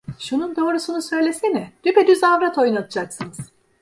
Şunun doğrusunu söylesene, düpe düz avrat oynatacaksınız.